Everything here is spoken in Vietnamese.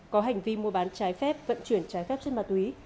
có hành vi mua bán trái phép vận chuyển trái phép chất ma túy